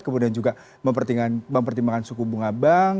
kemudian juga mempertimbangkan suku bunga bank